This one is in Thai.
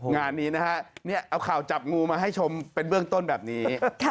งานนี้นะฮะเอาข่าวจับงูมาให้ชมเป็นเบื้องต้นแบบนี้